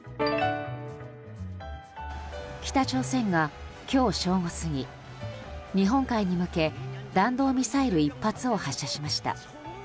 北朝鮮が今日正午過ぎ日本海に向け弾道ミサイル１発を発射しました。